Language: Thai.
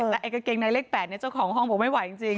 แต่กางเกงในเลข๘เนี่ยเจ้าของห้องผมไม่ไหวจริง